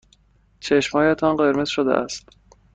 چشمهایتان قرمز شده است.